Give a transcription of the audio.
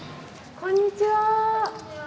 こんにちは。